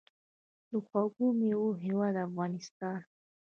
د خوږو میوو هیواد افغانستان.